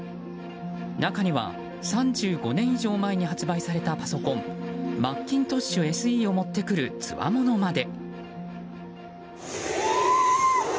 中には、３５年以上前に発売されたパソコンマッキントッシュＳＥを持ってくるつわものまで。